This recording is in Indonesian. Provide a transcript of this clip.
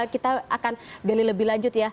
kita akan gali lebih lanjut ya